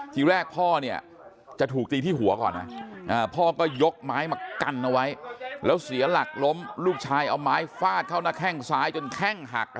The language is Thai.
ที่แรกพ่อเนี่ยจะถูกตีที่หัวก่อนนะพ่อก็ยกไม้มากันเอาไว้